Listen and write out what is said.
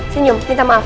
senyum minta maaf